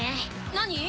何？